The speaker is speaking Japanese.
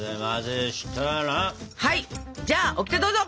はいじゃあオキテどうぞ！